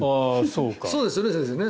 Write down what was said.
そうですよね、先生ね。